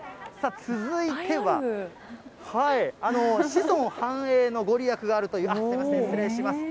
続いては、子孫繁栄の御利益があるという、失礼します。